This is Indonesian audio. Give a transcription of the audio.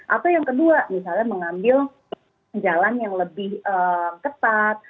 atau yang kedua misalnya mengambil jalan yang lebih ketat